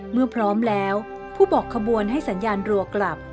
เมื่อพร้อมแล้วผู้บอกขบวนให้สัญญาณรัวกลับ